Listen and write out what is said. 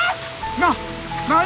な何！？